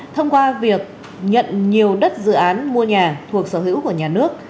thông qua việc nhận nhiều đất dự án mua nhà thuộc sở hữu của nhà nước